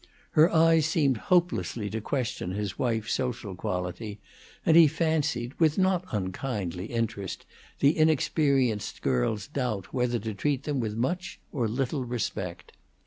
Her eyes seemed hopelessly to question his wife's social quality, and he fancied, with not unkindly interest, the inexperienced girl's doubt whether to treat them with much or little respect.